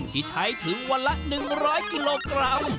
ที่ใช้ถึงวันละ๑๐๐กิโลกรัม